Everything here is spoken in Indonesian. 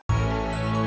katain tem instant borno